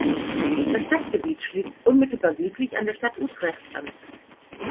Das Stadtgebiet schließt unmittelbar südlich an der Stadt Utrecht an.